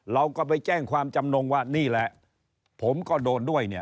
เราก็ไปแจ้งความจำนงว่านี่แหละผมก็โดนด้วยเนี่ย